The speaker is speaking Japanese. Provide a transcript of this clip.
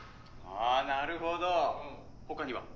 あなるほど他には？